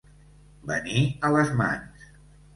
Venir a les mans.